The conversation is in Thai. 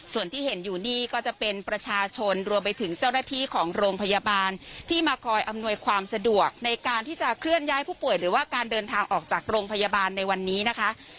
ส่วนที่เห็นอยู่นี่ก็จะเป็นประชาชนรวมไปถึงเจ้าหน้าที่ของโรงพยาบาลที่มาคอยอำนวยความสะดวกในการที่จะเคลื่อนย้ายผู้ป่วยหรือว่าการเดินทางออกจากโรงพยาบาลในวันนี้นะคะ